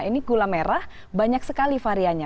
ini gula merah banyak sekali variannya